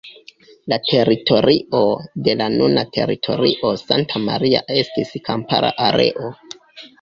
La teritorio de la nuna teritorio Santa Maria estis kampara areo.